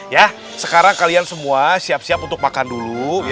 ya sekarang kalian semua siap siap untuk makan dulu